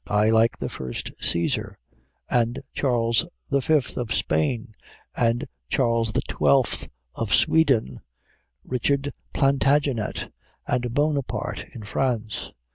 I like the first Cæsar; and Charles V, of Spain; and Charles XII, of Sweden; Richard Plantagenet; and Bonaparte, in France.